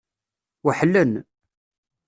Weḥlen.